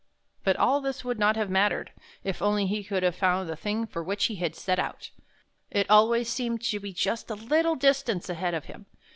But all this would not have mattered, if only he could have found the thing for which he had set out. It always seemed to be just a little distance ahead of him.